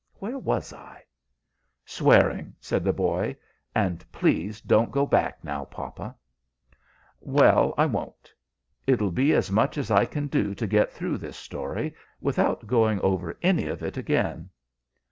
Where was I?" "Swearing," said the boy. "And please don't go back, now, papa." "Well, I won't. It'll be as much as I can do to get through this story, without going over any of it again.